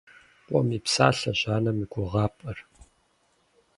Къуэм и псалъэщ анэм и гугъапӏэр.